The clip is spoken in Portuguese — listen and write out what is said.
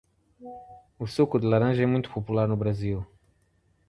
O suco de laranja é muito popular no Brasil.